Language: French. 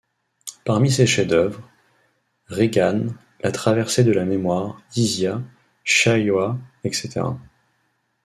Parmi ses chefs-d’œuvre: Reggane, La Traversée de la mémoire, Hizia, Chaouia, etc.